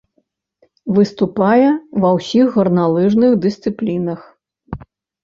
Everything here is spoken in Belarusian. Выступае ва ўсіх гарналыжных дысцыплінах.